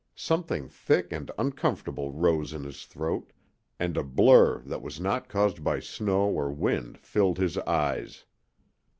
Something thick and uncomfortable rose in his throat, and a blur that was not caused by snow or wind filled his eyes.